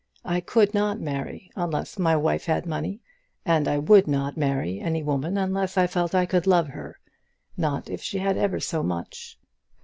I could not marry unless my wife had money, and I would not marry any woman unless I felt I could love her not if she had ever so much.